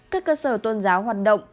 các cơ sở tôn giáo hoạt động